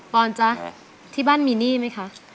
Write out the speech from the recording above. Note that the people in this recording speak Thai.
อนจ๊ะที่บ้านมีหนี้ไหมคะ